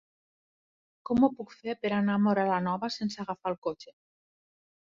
Com ho puc fer per anar a Móra la Nova sense agafar el cotxe?